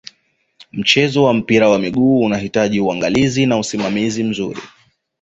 mchezo wa mpira wa miguu unahitaji unagalizi na usimamizi mzuri